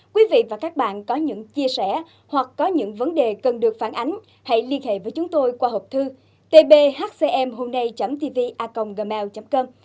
quý vị và các bạn có những chia sẻ hoặc có những vấn đề cần được phản ánh hãy liên hệ với chúng tôi qua hộp thư tbhcmhômnay tvacomgmail com